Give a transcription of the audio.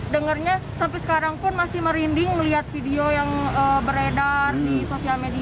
dengarnya sampai sekarang pun masih merinding melihat video yang beredar di sosial media